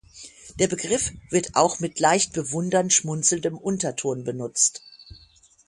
Der Begriff wird auch mit leicht bewundernd-schmunzelndem Unterton benutzt.